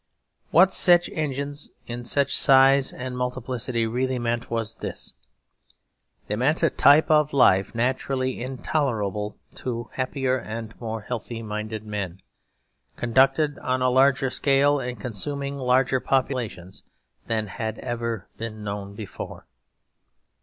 What such engines, in such size and multiplicity, really meant was this: they meant a type of life naturally intolerable to happier and more healthy minded men, conducted on a larger scale and consuming larger populations than had ever been known before.